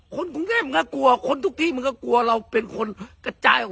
คนกรุงเทพมันก็กลัวคนทุกที่มันก็กลัวเราเป็นคนกระจายออก